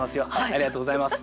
ありがとうございます。